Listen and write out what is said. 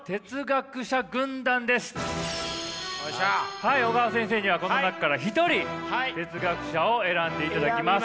はい小川先生にはこの中から一人哲学者を選んでいただきます。